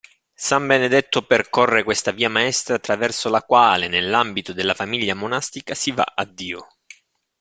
San Benedetto percorre questa via maestra attraverso la quale, nell'ambito della famiglia monastica, si va a Dio.